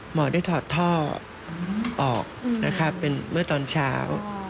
หมอได้ถอดท่อออกนะครับเป็นเมื่อตอนเช้า